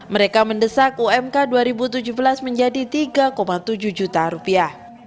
mereka mendesak umk dua ribu tujuh belas menjadi tiga tujuh juta rupiah